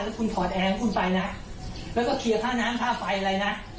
แล้วคุณถอดแอร์คุณไปนะแล้วก็เคลียร์ค่าน้ำค่าไฟอะไรนะ